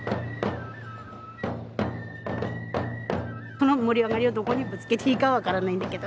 この盛り上がりをどこにぶつけていいか分からないんだけど。